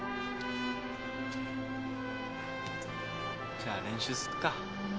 じゃあ練習すっか。